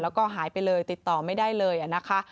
แล้วก็หายไปเลยติดต่อไม่ได้เลยนะคะ